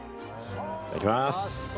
いただきます。